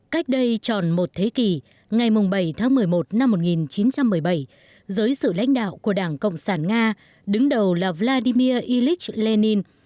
cách đây tròn một thế kỷ ngày bảy tháng một mươi một năm một nghìn chín trăm một mươi bảy dưới sự lãnh đạo của đảng cộng sản nga đứng đầu là vladimir ilyich lenin